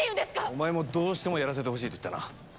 お前もどうしてもやらせてほしいと言ったな。